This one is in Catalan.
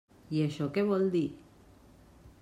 I això què vol dir?